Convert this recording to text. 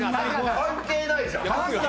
関係ないじゃん！